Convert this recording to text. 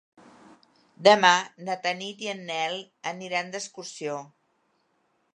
Demà na Tanit i en Nel aniran d'excursió.